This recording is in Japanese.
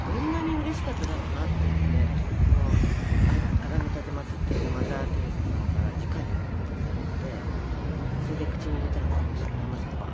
あがめ奉っているマザー・テレサさんからじかに渡されてそれで口に入れたらその甘さがばっと体に広がって。